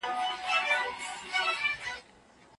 غړو به د مرکزي حکومت د پياوړتيا پرېکړه کړي وي.